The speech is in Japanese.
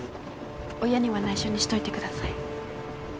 親には内緒にしといてください